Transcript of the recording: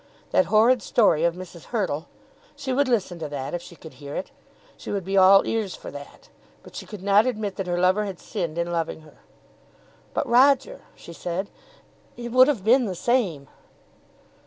That horrid story of Mrs. Hurtle; she would listen to that if she could hear it. She would be all ears for that. But she could not admit that her lover had sinned in loving her. "But, Roger," she said "it would have been the same."